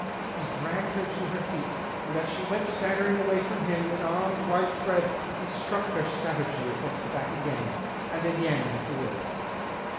He dragged her to her feet, and as she went staggering away from him with arms wide spread he struck her savagely across the back again and again with the whip.